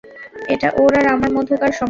এটা ওর আর আমার মধ্যকার সমস্যা।